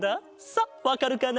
さあわかるかな？